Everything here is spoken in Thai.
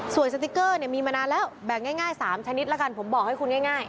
ส่วนสติ๊กเกอร์เนี่ยมีมานานแล้วแบ่งง่าย๓ชนิดละกันผมบอกให้คุณง่าย